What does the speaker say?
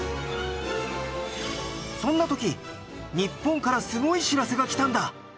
そんな時日本からすごい知らせが来たんだ。